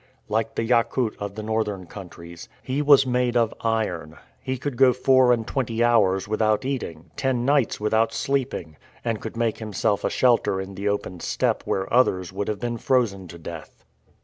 Like the Yakout of the northern countries, he was made of iron. He could go four and twenty hours without eating, ten nights without sleeping, and could make himself a shelter in the open steppe where others would have been frozen to death.